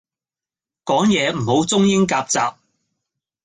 講野唔好中英夾雜